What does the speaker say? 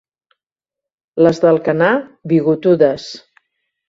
Les d'Alcanar, bigotudes.